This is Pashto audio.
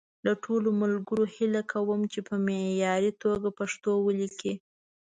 له ټولو ملګرو هیله کوم چې په معیاري توګه پښتو وليکي.